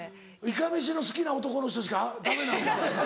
いかめしの好きな男の人しかダメなんだ。